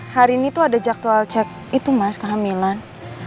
hari ini tuh ada jadwal cek itu mas kehamilan